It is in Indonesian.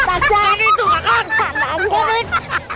bacaan itu makan tanpa mumpung